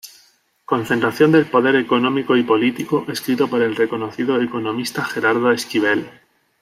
Concentración del poder económico y político", escrito por el reconocido economista Gerardo Esquivel.